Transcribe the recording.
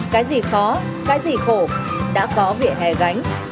cái gì khó cái gì khổ đã có vỉa hè gánh